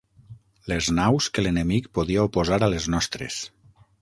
Les naus que l'enemic podia oposar a les nostres.